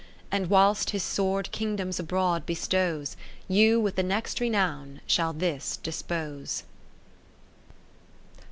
And w^hilst his sword Kingdoms abroad bestows, You, with the next renown, shall this dispose.